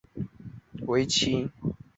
女儿嫁给袁世凯八子袁克轸为妻。